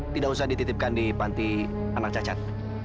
tidak usah dititipkan di panti anak cacat